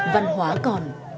văn hóa còn